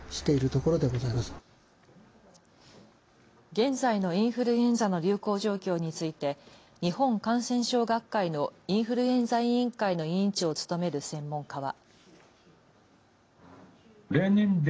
現在のインフルエンザの流行状況について日本感染症学会のインフルエンザ委員会の委員長を務める専門家は。